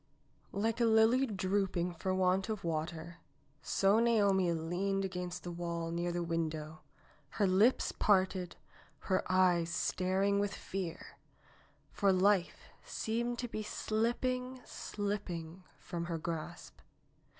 Like a lily drooping for want of water, so Naomi leaned against the wall near the window, her lips parted, her eyes staring with fear, for life seemed to be slipping, slipping from her grasp.